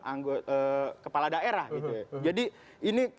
anggota kepala daerah gitu ya jadi ini